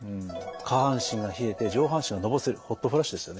下半身が冷えて上半身がのぼせるホットフラッシュですよね。